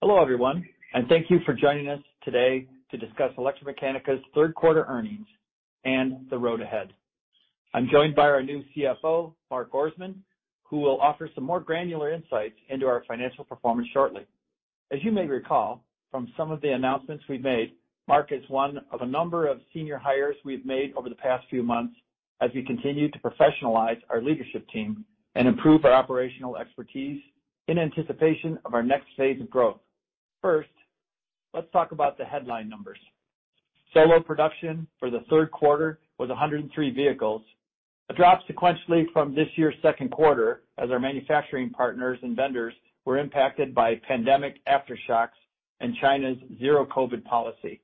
Hello, everyone, and thank you for joining us today to discuss ElectraMeccanica's third quarter earnings and the road ahead. I'm joined by our new CFO, Mark Orsmond, who will offer some more granular insights into our financial performance shortly. As you may recall from some of the announcements we've made, Mark is one of a number of senior hires we've made over the past few months as we continue to professionalize our leadership team and improve our operational expertise in anticipation of our next phase of growth. First, let's talk about the headline numbers. SOLO production for the third quarter was 103 vehicles. A drop sequentially from this year's second quarter as our manufacturing partners and vendors were impacted by pandemic aftershocks and China's Zero-COVID policy,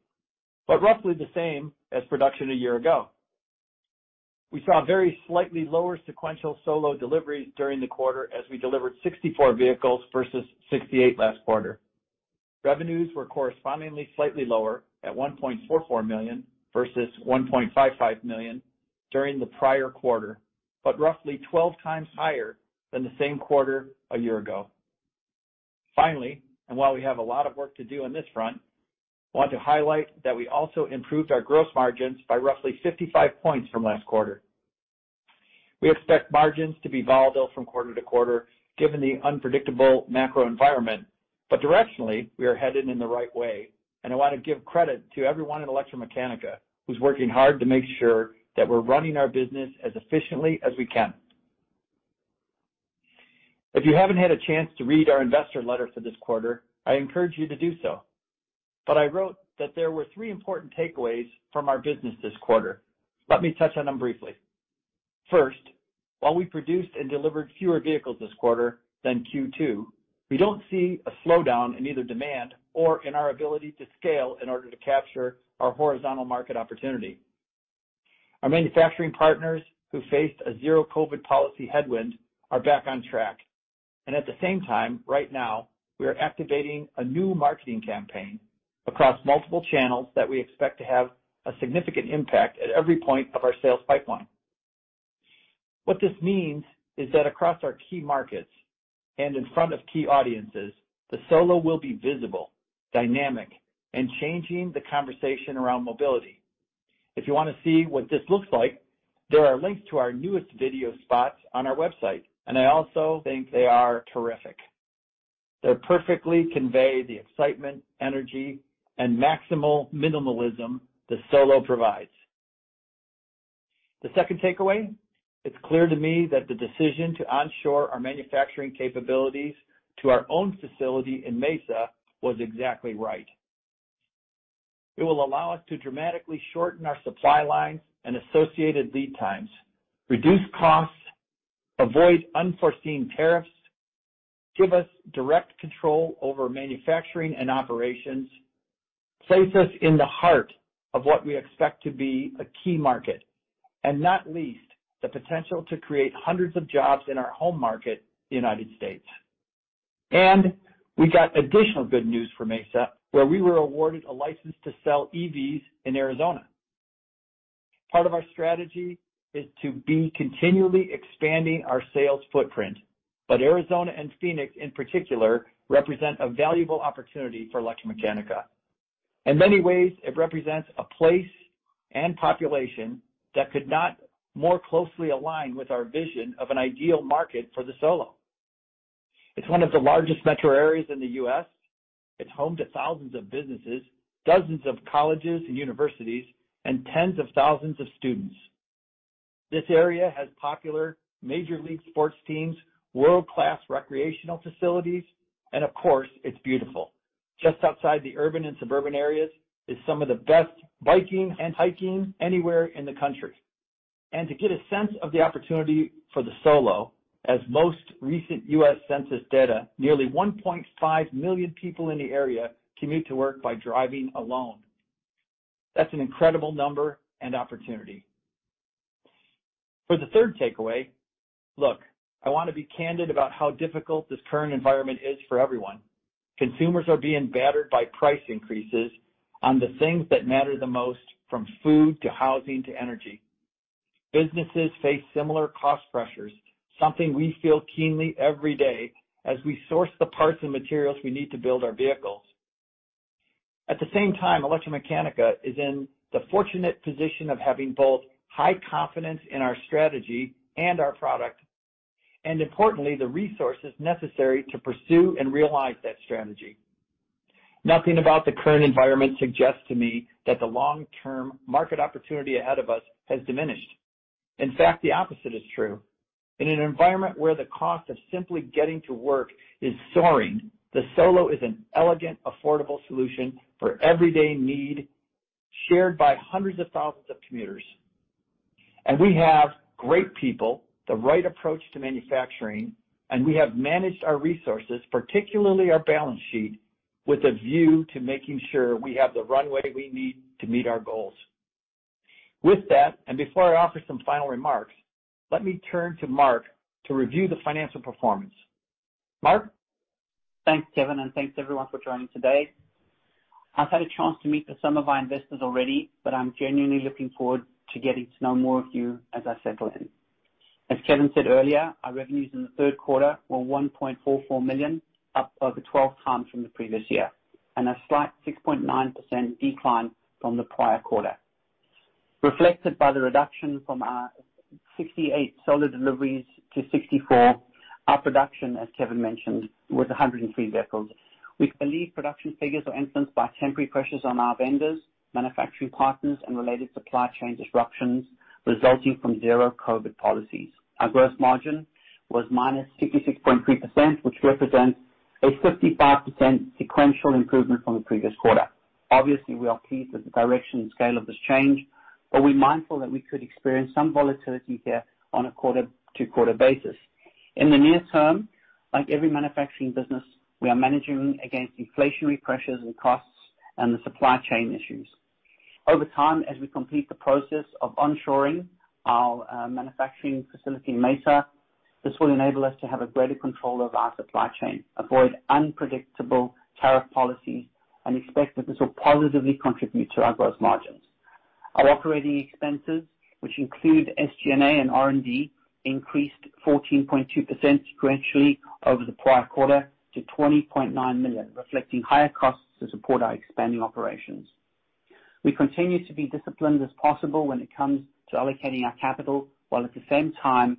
but roughly the same as production a year ago. We saw very slightly lower sequential SOLO deliveries during the quarter as we delivered 64 vehicles versus 68 last quarter. Revenues were correspondingly slightly lower at $1.44 million versus $1.55 million during the prior quarter, but roughly 12x higher than the same quarter a year ago. Finally, while we have a lot of work to do on this front, want to highlight that we also improved our gross margins by roughly 55 points from last quarter. We expect margins to be volatile from quarter to quarter given the unpredictable macro environment. Directionally, we are headed in the right way, and I wanna give credit to everyone at ElectraMeccanica who's working hard to make sure that we're running our business as efficiently as we can. If you haven't had a chance to read our investor letter for this quarter, I encourage you to do so, but I wrote that there were three important takeaways from our business this quarter. Let me touch on them briefly. First, while we produced and delivered fewer vehicles this quarter than Q2, we don't see a slowdown in either demand or in our ability to scale in order to capture our horizontal market opportunity. Our manufacturing partners who faced a Zero-COVID policy headwind are back on track. At the same time, right now we are activating a new marketing campaign across multiple channels that we expect to have a significant impact at every point of our sales pipeline. What this means is that across our key markets and in front of key audiences, the SOLO will be visible, dynamic, and changing the conversation around mobility. If you wanna see what this looks like, there are links to our newest video spots on our website, and I also think they are terrific. They perfectly convey the excitement, energy, and maximal minimalism that SOLO provides. The second takeaway, it's clear to me that the decision to onshore our manufacturing capabilities to our own facility in Mesa was exactly right. It will allow us to dramatically shorten our supply lines and associated lead times, reduce costs, avoid unforeseen tariffs, give us direct control over manufacturing and operations, place us in the heart of what we expect to be a key market, and not least, the potential to create hundreds of jobs in our home market, the United States. We got additional good news from Mesa, where we were awarded a license to sell EVs in Arizona. Part of our strategy is to be continually expanding our sales footprint, but Arizona and Phoenix in particular represent a valuable opportunity for ElectraMeccanica. In many ways, it represents a place and population that could not more closely align with our vision of an ideal market for the SOLO. It's one of the largest metro areas in the U.S. It's home to thousands of businesses, dozens of colleges and universities, and tens of thousands of students. This area has popular Major League sports teams, world-class recreational facilities, and of course, it's beautiful. Just outside the urban and suburban areas is some of the best biking and hiking anywhere in the country. To get a sense of the opportunity for the SOLO, the most recent U.S. Census data, nearly 1.5 million people in the area commute to work by driving alone. That's an incredible number and opportunity. For the third takeaway, look, I wanna be candid about how difficult this current environment is for everyone. Consumers are being battered by price increases on the things that matter the most, from food to housing to energy. Businesses face similar cost pressures, something we feel keenly every day as we source the parts and materials we need to build our vehicles. At the same time, ElectraMeccanica is in the fortunate position of having both high confidence in our strategy and our product, and importantly, the resources necessary to pursue and realize that strategy. Nothing about the current environment suggests to me that the long-term market opportunity ahead of us has diminished. In fact, the opposite is true. In an environment where the cost of simply getting to work is soaring, the SOLO is an elegant, affordable solution for everyday need shared by hundreds of thousands of commuters. We have great people, the right approach to manufacturing, and we have managed our resources, particularly our balance sheet, with a view to making sure we have the runway we need to meet our goals. With that, and before I offer some final remarks, let me turn to Mark to review the financial performance. Mark? Thanks, Kevin, and thanks everyone for joining today. I've had a chance to meet with some of our investors already, but I'm genuinely looking forward to getting to know more of you as I settle in. As Kevin said earlier, our revenues in the third quarter were $1.44 million, up over 12x from the previous year, and a slight 6.9% decline from the prior quarter. Reflected by the reduction from our 68 SOLO deliveries to 64, our production, as Kevin mentioned, was 103 vehicles. We believe production figures are influenced by temporary pressures on our vendors, manufacturing partners, and related supply chain disruptions resulting from Zero-COVID policies. Our gross margin was -66.3%, which represents a 55% sequential improvement from the previous quarter. Obviously, we are pleased with the direction and scale of this change, but we're mindful that we could experience some volatility here on a quarter-to-quarter basis. In the near term, like every manufacturing business, we are managing against inflationary pressures and costs and the supply chain issues. Over time, as we complete the process of onshoring our manufacturing facility in Mesa, this will enable us to have a greater control of our supply chain, avoid unpredictable tariff policies, and expect that this will positively contribute to our gross margins. Our operating expenses, which include SG&A and R&D, increased 14.2% sequentially over the prior quarter to $20.9 million, reflecting higher costs to support our expanding operations.. We continue to be as disciplined as possible when it comes to allocating our capital, while at the same time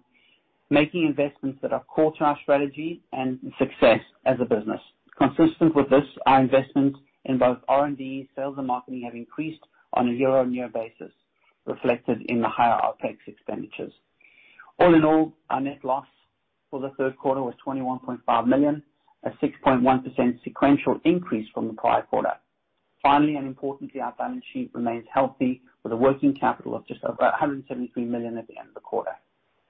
making investments that are core to our strategy and success as a business. Consistent with this, our investment in both R&D, sales and marketing have increased on a year-on-year basis, reflected in the higher OpEx expenditures. All in all, our net loss for the third quarter was $21.5 million, a 6.1% sequential increase from the prior quarter. Finally, and importantly, our balance sheet remains healthy with a working capital of just over $173 million at the end of the quarter.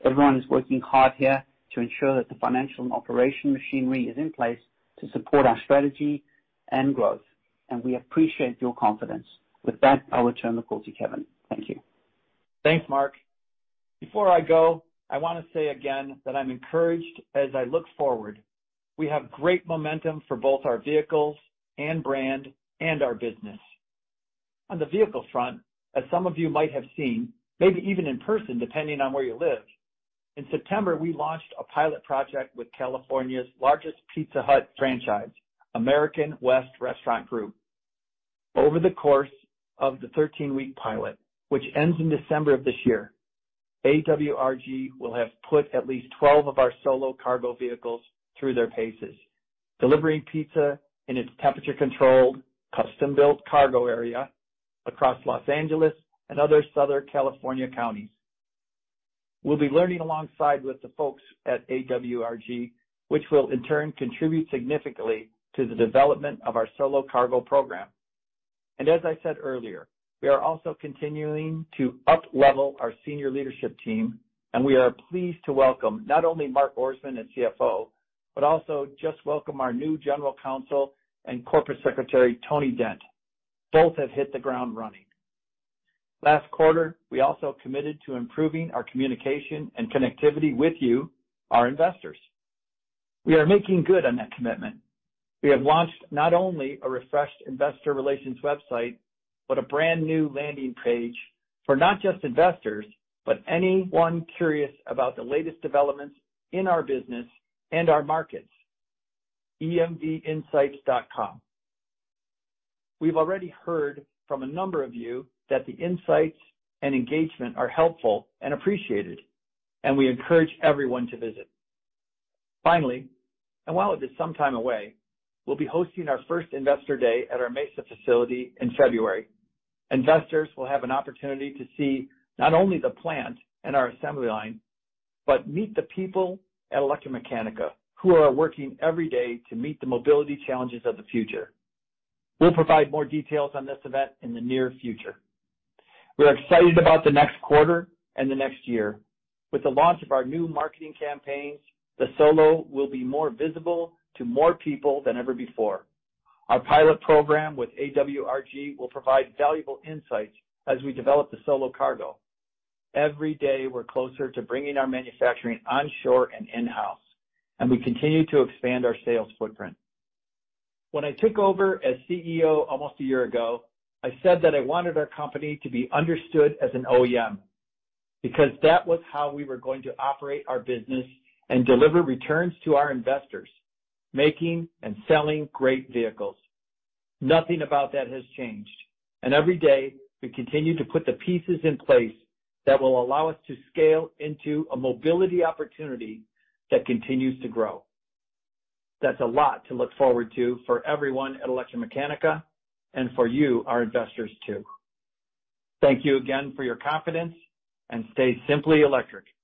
Everyone is working hard here to ensure that the financial and operational machinery is in place to support our strategy and growth, and we appreciate your confidence. With that, I'll return the call to Kevin. Thank you. Thanks, Mark. Before I go, I wanna say again that I'm encouraged as I look forward. We have great momentum for both our vehicles and brand and our business. On the vehicle front, as some of you might have seen, maybe even in person depending on where you live, in September, we launched a pilot project with California's largest Pizza Hut franchise, American West Restaurant Group. Over the course of the 13-week pilot, which ends in December of this year, AWRG will have put at least 12 of our SOLO Cargo vehicles through their paces, delivering pizza in its temperature-controlled, custom-built cargo area across Los Angeles and other Southern California counties. We'll be learning alongside with the folks at AWRG, which will in turn contribute significantly to the development of our SOLO Cargo program. As I said earlier, we are also continuing to up-level our senior leadership team, and we are pleased to welcome not only Mark Orsmond as CFO, but also just welcome our new General Counsel and Corporate Secretary, Tony Dent. Both have hit the ground running. Last quarter, we also committed to improving our communication and connectivity with you, our investors. We are making good on that commitment. We have launched not only a refreshed investor relations website, but a brand-new landing page for not just investors, but anyone curious about the latest developments in our business and our markets, emvinsights.com. We've already heard from a number of you that the insights and engagement are helpful and appreciated, and we encourage everyone to visit. Finally, and while it is some time away, we'll be hosting our first investor day at our Mesa facility in February. Investors will have an opportunity to see not only the plant and our assembly line, but meet the people at ElectraMeccanica who are working every day to meet the mobility challenges of the future. We'll provide more details on this event in the near future. We're excited about the next quarter and the next year. With the launch of our new marketing campaigns, the SOLO will be more visible to more people than ever before. Our pilot program with AWRG will provide valuable insights as we develop the SOLO Cargo. Every day, we're closer to bringing our manufacturing onshore and in-house, and we continue to expand our sales footprint. When I took over as CEO almost a year ago, I said that I wanted our company to be understood as an OEM because that was how we were going to operate our business and deliver returns to our investors, making and selling great vehicles. Nothing about that has changed. Every day, we continue to put the pieces in place that will allow us to scale into a mobility opportunity that continues to grow. That's a lot to look forward to for everyone at ElectraMeccanica and for you, our investors, too. Thank you again for your confidence, and stay simply electric.